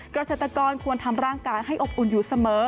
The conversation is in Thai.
เกษตรกรควรทำร่างกายให้อบอุ่นอยู่เสมอ